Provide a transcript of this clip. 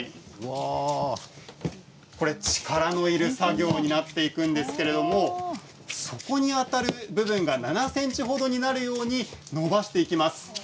力のいる作業になっていくんですけれど底にあたる部分が７ｃｍほどになるように伸ばしていきます。